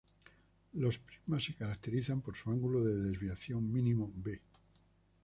Los prismas se caracterizan por su ángulo de desviación mínimo "b".